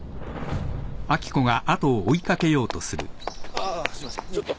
ああすいませんちょっと。